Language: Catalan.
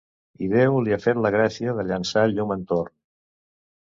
I Déu li ha fet la gràcia de llançar llum entorn.